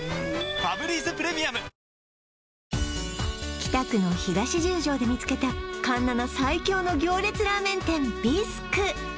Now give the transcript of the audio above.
北区の東十条で見つけた環七最強の行列ラーメン店ビスク